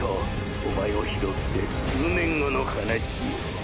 おまえを拾って数年後の話よ。